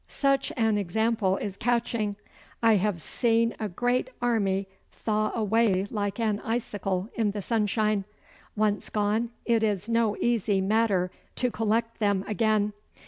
Such an example is catching. I have seen a great army thaw away like an icicle in the sunshine. Once gone, it is no easy matter to collect them again.